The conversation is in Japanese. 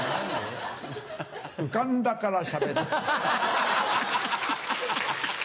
浮かんだからしゃべった。